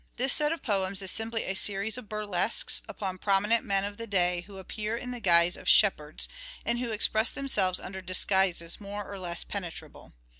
This set of poems is simply a series of burlesques upon prominent men of the day, who appear in the guise of " shepherds," and who express themselves under disguises more or less penetrable.